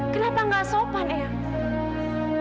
kenapa enggak sopan el